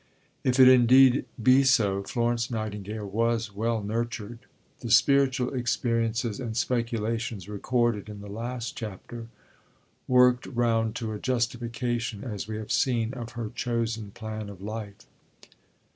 If it indeed be so, Florence Nightingale was well nurtured. The spiritual experiences and speculations, recorded in the last chapter, worked round to a justification, as we have seen, of her chosen plan of life.